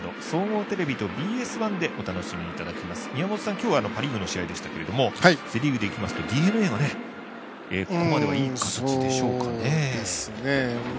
今日はパ・リーグの試合でしたけれどもセ・リーグでいきますとＤｅＮＡがここまでは、いい形でしょうかね。